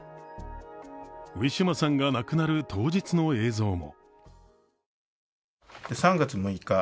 ウィシュマさんが亡くなる当日の映像も。